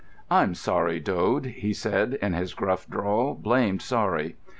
"I'm sorry, Dode," he said in his gruff drawl, "blamed sorry."